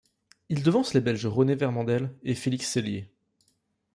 Il devance les Belges René Vermandel et Félix Sellier.